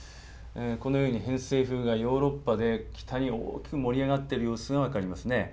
このように偏西風がヨーロッパで北に大きく盛り上がっている様子が分かりますね。